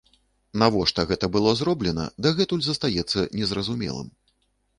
Навошта гэта было зроблена, дагэтуль застаецца незразумелым.